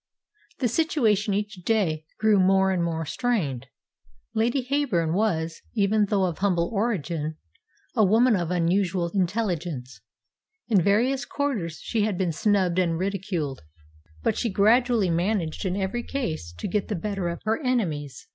The situation each day grew more and more strained. Lady Heyburn was, even though of humble origin, a woman of unusual intelligence. In various quarters she had been snubbed and ridiculed, but she gradually managed in every case to get the better of her enemies.